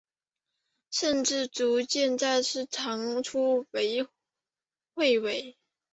甚至逐渐再次长出彗尾。